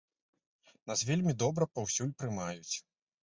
Нас вельмі добра паўсюль прымаюць.